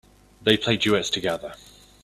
They play duets together.